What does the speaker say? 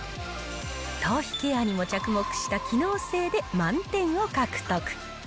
頭皮ケアにも着目した機能性で満点を獲得。